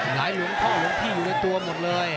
หลวงพ่อหลวงพี่อยู่ในตัวหมดเลย